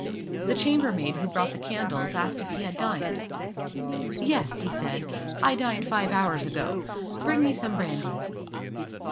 The chambermaid who brought the candles asked if he had dined. "Yes," he said, "I dined five hours ago. Bring me some brandy."